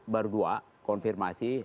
baru dua konfirmasi